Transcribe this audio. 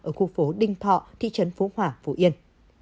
ở khu phố đinh thọ thị trấn phú hòa phú yên